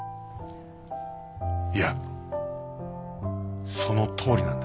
いやそのとおりなんだ。